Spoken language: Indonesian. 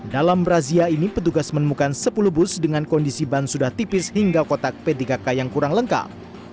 dalam razia ini petugas menemukan sepuluh bus dengan kondisi ban sudah tipis hingga kotak p tiga k yang kurang lengkap